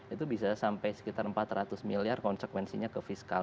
itu bisa sampai sekitar empat ratus miliar konsekuensinya ke fiskal